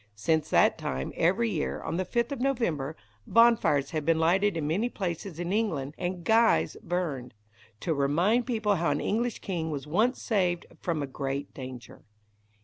Since that time, every year, on the 5th of November, bonfires have been lighted in many places in England, and "guys" burned, to remind people how an English king was once saved from a great danger.